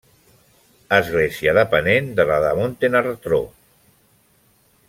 Església depenent de la de Montenartró.